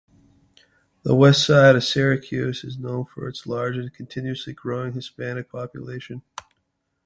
The Westside of Syracuse is known for its large and continuously growing Hispanic population.